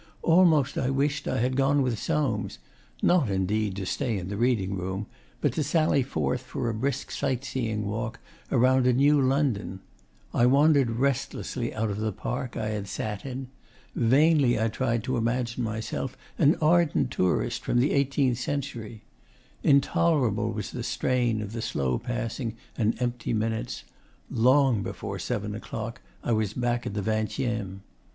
Almost I wished I had gone with Soames not indeed to stay in the reading room, but to sally forth for a brisk sight seeing walk around a new London. I wandered restlessly out of the Park I had sat in. Vainly I tried to imagine myself an ardent tourist from the eighteenth century. Intolerable was the strain of the slow passing and empty minutes. Long before seven o'clock I was back at the Vingtieme.